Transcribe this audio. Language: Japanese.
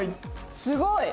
すごい。